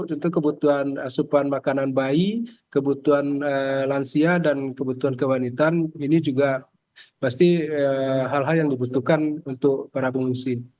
tentu kebutuhan asupan makanan bayi kebutuhan lansia dan kebutuhan kewanitan ini juga pasti hal hal yang dibutuhkan untuk para pengungsi